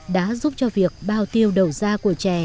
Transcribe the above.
đã giúp cho việc bao tiêu đầu da của chè